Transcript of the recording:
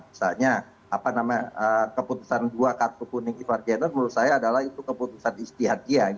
misalnya apa namanya keputusan dua kartu kuning ivar jenner menurut saya adalah itu keputusan istihad dia